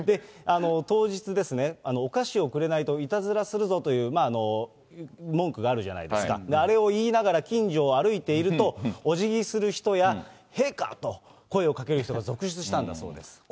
当日、お菓子をくれないといたずらするぞという文句があるじゃないですか、あれを言いながら、近所を歩いていると、お辞儀する人や、陛下と声をかける人が続出したんだそうです。